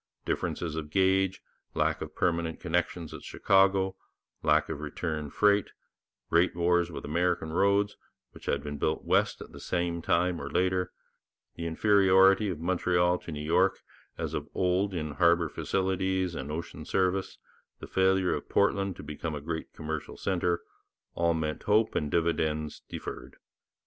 Differences of gauge, lack of permanent connections at Chicago, lack of return freight, rate wars with the American roads which had been built west at the same time or later, the inferiority of Montreal to New York as of old in harbour facilities and ocean service, the failure of Portland to become a great commercial centre all meant hope and dividends deferred.